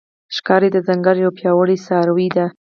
ښکاري د ځنګل یو پیاوړی څاروی دی.